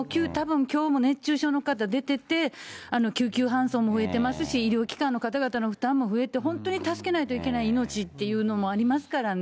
きょうもたぶん、熱中症の方出てて、救急搬送も増えてますし、医療機関の方々の負担も増えて、本当に助けないといけない命っていうのもありますからね。